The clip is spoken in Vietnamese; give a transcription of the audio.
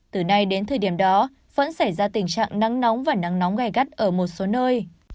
từ nay đến thời điểm đó vẫn xảy ra tình trạng nắng nóng và nắng nóng gai gắt ở một số nơi